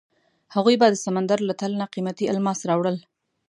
هغوی به د سمندر له تل نه قیمتي الماس راوړل.